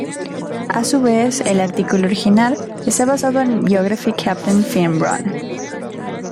A su vez, el artículo original está basado en "Biography: Captain Finn Ronne.